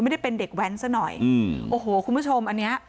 ไม่ได้เป็นเด็กแว้นซะหน่อยอืมโอ้โหคุณผู้ชมอันเนี้ย